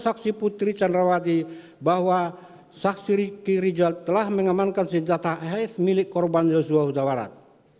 saksi putri candrawati bahwa saksi riki rizal telah mengamankan senjata hs milik korban yusua huda warat